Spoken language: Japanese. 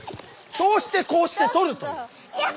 そうしてこうしてとるという。